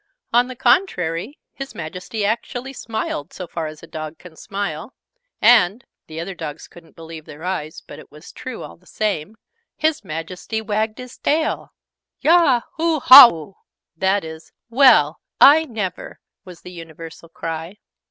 On the contrary his Majesty actually smiled so far as a Dog can smile and (the other Dogs couldn't believe their eyes, but it was true, all the same) his Majesty wagged his tail! "Yah! Hooh hahwooh!" (that is "Well! I never!") was the universal cry.